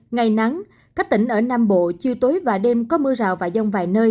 ngày nắng các tỉnh ở nam bộ chiều tối và đêm có mưa rào và rông vài nơi